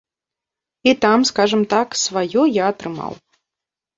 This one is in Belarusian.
І там, скажам так, сваё я атрымаў.